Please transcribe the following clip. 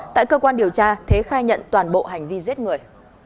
tại cơ quan điều tra thế khai nhận toàn bộ hành vi giết người